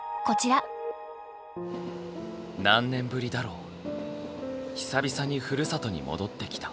何年ぶりだろう久々にふるさとに戻ってきた。